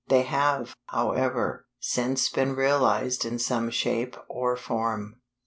They have, however, since been realized in some shape or form.